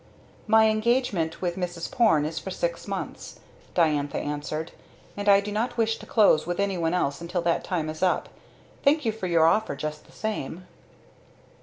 "My engagement with Mrs. Porne is for six months," Diantha answered, "and I do not wish to close with anyone else until that time is up. Thank you for your offer just the same."